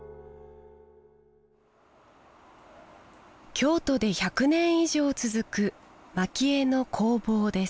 京都で１００年以上続く蒔絵の工房です